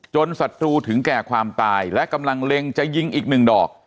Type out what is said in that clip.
ศัตรูถึงแก่ความตายและกำลังเล็งจะยิงอีกหนึ่งดอก